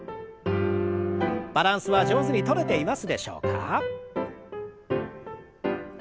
バランスは上手にとれていますでしょうか？